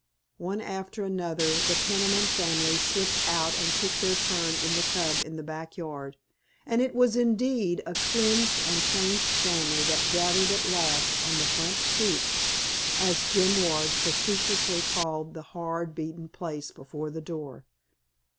One after another the Peniman family slipped out and took their turn in the tub in the back yard, and it was indeed a cleansed and changed family that gathered at last on the "front stoop," as Jim Ward facetiously called the hard, beaten place before the door.